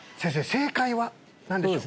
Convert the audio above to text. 正解は何でしょう？